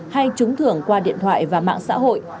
hay trúng thưởng qua điện thoại và mạng xã hội